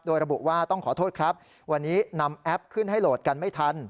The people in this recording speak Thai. โดยระบุว่าต้องขอโทษครับวันนี้นำแอปขึ้นให้โหลดกันไม่ทัน